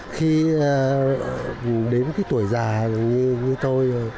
khi đến cái tuổi già như tôi